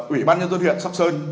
ủy ban nhân dân huyện sóc sơn